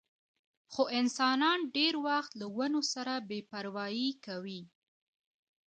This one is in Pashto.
خو انسانان ډېر وخت له ونو سره بې پروايي کوي.